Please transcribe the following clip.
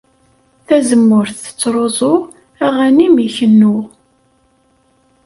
Tazemmurt tettruẓu, aɣanim ikennu.